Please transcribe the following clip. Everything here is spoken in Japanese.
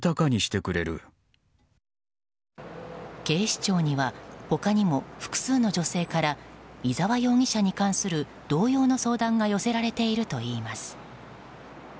警視庁には他にも複数の女性から伊沢容疑者に関する同様の相談が寄せられているといいます。